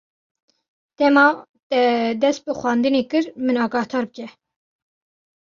Dema te dest bi xwendinê kir, min agahdar bike.